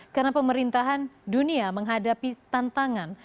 karena pemerintahan dunia menghadapi tantangan